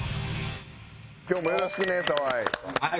今日もよろしくね澤井。